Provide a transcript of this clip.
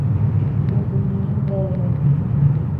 Kutu min deabea.